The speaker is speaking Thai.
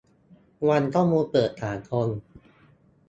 วันข้อมูลเปิดสากล